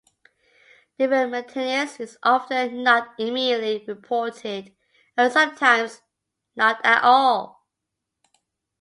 Deferred maintenance is often not immediately reported-and sometimes, not at all.